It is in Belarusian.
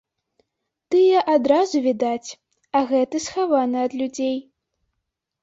Тыя адразу відаць, а гэты схаваны ад людзей.